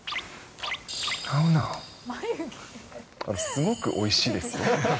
すごくおいしいですよ。